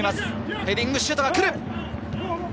ヘディングシュートが来る。